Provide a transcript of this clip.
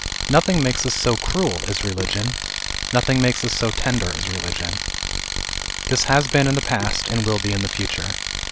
Nothing makes us so cruel as religion, nothing makes us so tender as religion. This has been in the past, and will be in the future.